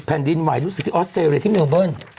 แผ่นดินไวดูสิที่ออสเตรียที่เมืองเบิ้ล